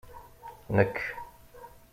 Nek!